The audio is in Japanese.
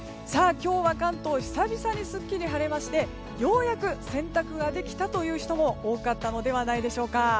今日は関東久々にすっきり晴れましてようやく洗濯ができたという人も多かったのではないでしょうか。